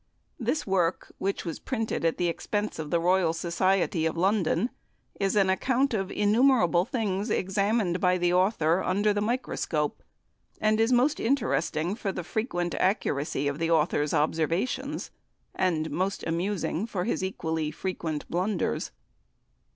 This work, which was printed at the expense of the Royal Society of London, is an account of innumerable things examined by the author under the microscope, and is most interesting for the frequent accuracy of the author's observations, and most amusing for his equally frequent blunders.